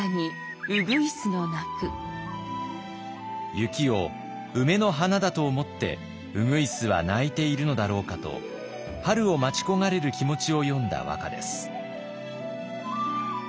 雪を梅の花だと思って鶯は鳴いているのだろうかと春を待ち焦がれる気持ちを詠んだ和歌です。